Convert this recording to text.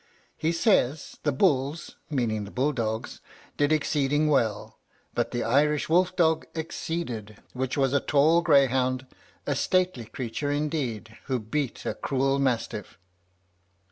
He says, "The bulls (meaning the bull dogs) did exceeding well, but the Irish wolf dog exceeded, which was a tall greyhound, a stately creature, indeed, who beat a cruel mastiff."